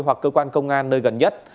hoặc cơ quan công an nơi gần nhất